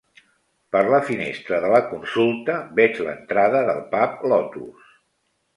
Per la finestra de la consulta veig l'entrada del pub Lotus.